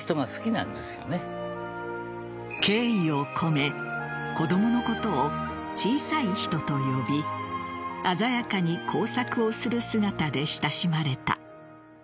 敬意を込め子供のことを小さい人と呼び鮮やかに工作をする姿で親しまれた。